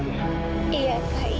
iya kak iya